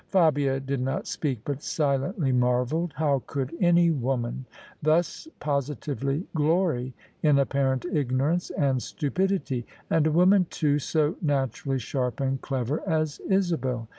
Fabia did not speak, but silently marvelled. How could any woman thus positively glory in apparent ignorance and stupidity — ^and a woman, too, so naturally sharp and clever as Isabel